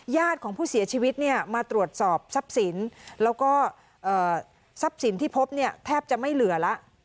ญาติของผู้เสียชีวิตเนี่ยมาตรวจสอบทรัพย์สินแล้วก็ทรัพย์สินที่พบเนี่ยแทบจะไม่เหลือแล้ว